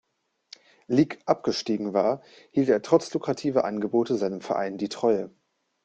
Lig abgestiegen war, hielt er trotz lukrativer Angebote seinem Verein die Treue.